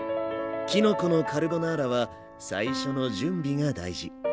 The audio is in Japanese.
きのこのカルボナーラは最初の準備が大事。